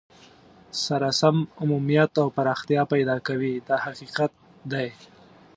سره سم عمومیت او پراختیا پیدا کوي دا حقیقت دی.